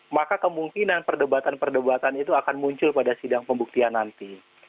maka kemungkinan perdebatan perdebatan itu akan muncul pada sidang pembuktian nanti